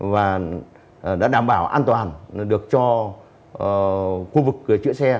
và đã đảm bảo an toàn được cho khu vực chữa xe